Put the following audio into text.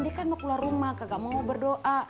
dia kan mau keluar rumah kagak mau berdoa